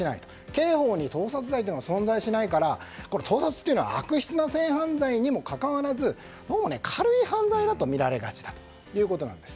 刑法に盗撮罪というのが存在しないから盗撮というのは悪質な性犯罪にもかかわらず軽い犯罪だと見られがちだということなんです。